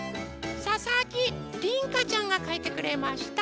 ささきりんかちゃんがかいてくれました。